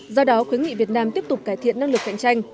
do đó khuyến nghị việt nam tiếp tục cải thiện năng lực cạnh tranh